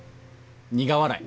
苦笑い。